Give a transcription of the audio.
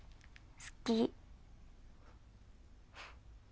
好き。